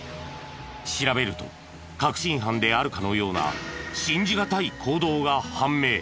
調べると確信犯であるかのような信じがたい行動が判明。